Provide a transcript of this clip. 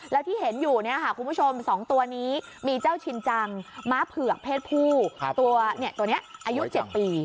แล้วที่เห็นอยู่เนี่ยผู้ชม๒นี้มีเจ้าชินจังไหมาเผือกเพศภูสาปตัวเนี่ยตัวนี้อายุ๗ปี